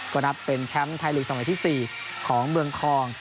ก็นับเป็นแชมป์ไทยลีกสมัยที่๔ของเมืองทอง